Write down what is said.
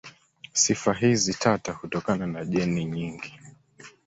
Sifa hizi tata hutokana na jeni nyingi.